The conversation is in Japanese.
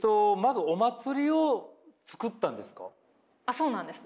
そうなんです。